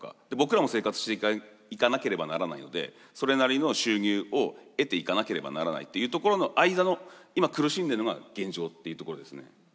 で僕らも生活していかなければならないのでそれなりの収入を得ていかなければならないというところの間の今苦しんでるのが現状っていうところですね。